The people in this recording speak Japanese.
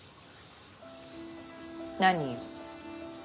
何よ？